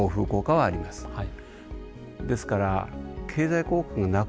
はい。